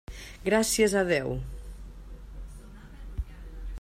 Gràcies a Déu.